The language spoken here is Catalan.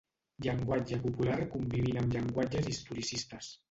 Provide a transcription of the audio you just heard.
Llenguatge popular convivint amb llenguatges historicistes.